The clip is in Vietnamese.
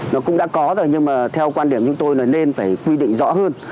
nó cũng đã có rồi nhưng mà theo quan điểm chúng tôi là nên phải quy định rõ hơn